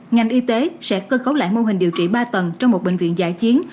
ngành y tế sẽ cân khấu lại mô hình điều trị ba tầng trong một bệnh viện giải chiến